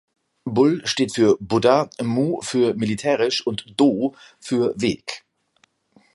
Bul steht für "Buddha", Mu für "militärisch" und Do für "Weg".